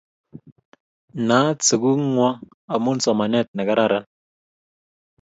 Naat sukuk ng'wong' amun somanet ne kararan